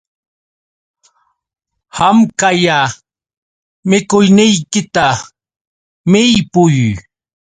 Hawkalla mikuyniykita millpuy